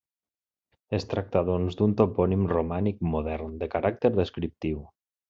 Es tracta, doncs, d'un topònim romànic modern, de caràcter descriptiu.